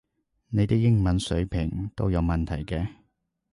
你啲英語水平都有問題嘅